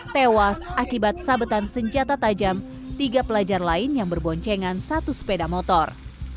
tewas akibat sabetan senjata tajam tiga pelajar lain yang berboncengan satu sepeda motor